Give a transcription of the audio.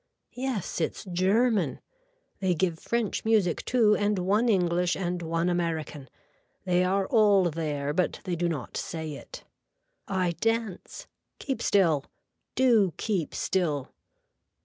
Yes it's german. They give French music too and one English and one American. They are all there but they do not say it. I dance. Keep still. Do keep still.